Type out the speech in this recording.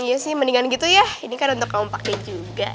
iya sih mendingan gitu ya ini kan untuk kaum pakai juga